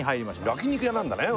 焼肉屋なんだね